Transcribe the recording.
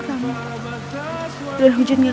yang saya lanjutkan